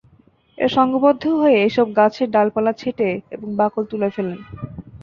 এরা সংঘবদ্ধ হয়ে এসব গাছের ডালপালা ছেঁটে এবং বাকল তুলে ফেলে।